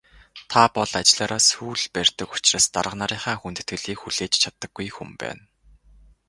Та бол ажлаараа сүүл барьдаг учраас дарга нарынхаа хүндэтгэлийг хүлээж чаддаггүй хүн байна.